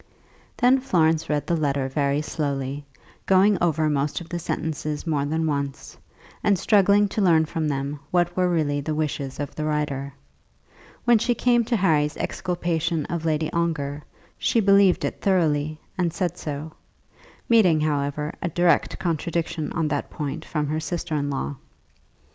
Then Florence read the letter very slowly, going over most of the sentences more than once, and struggling to learn from them what were really the wishes of the writer. When she came to Harry's exculpation of Lady Ongar, she believed it thoroughly, and said so, meeting, however, a direct contradiction on that point from her sister in law.